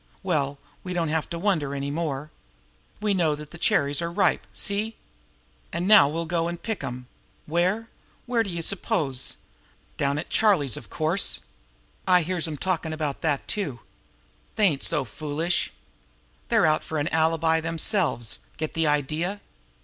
Well, we don't have to wonder any more. We know now that the cherries are ripe. See? An' now we'll go an' pick 'em! Where? Where d'ye suppose? Down to Charlie's, of course! I hears 'em talkin' about that, too. They ain't so foolish! They're out for an alibi themselves. Get the idea?